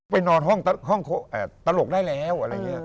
ไปนอนห้องตลกได้แล้ว